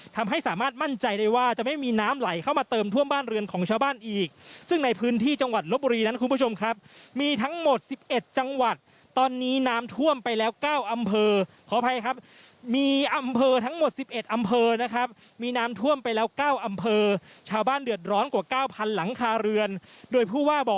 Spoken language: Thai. ทำให้สามารถมั่นใจได้ว่าจะไม่มีน้ำไหลเข้ามาเติมท่วมบ้านเรือนของชาวบ้านอีกซึ่งในพื้นที่จังหวัดลบบุรีนั้นคุณผู้ชมครับมีทั้งหมด๑๑จังหวัดตอนนี้น้ำท่วมไปแล้ว๙อำเภอขออภัยครับมีอำเภอทั้งหมด๑๑อำเภอนะครับมีน้ำท่วมไปแล้ว๙อำเภอชาวบ้านเดือดร้อนกว่าเก้าพันหลังคาเรือนโดยผู้ว่าบ่